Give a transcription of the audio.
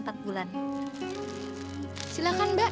baik baik baik